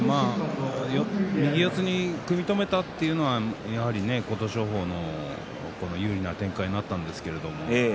右四つに組み止めたというのはやはり琴勝峰の有利な展開になったんですけど。